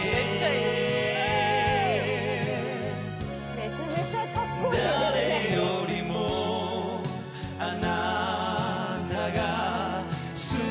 めちゃめちゃかっこいいですねああ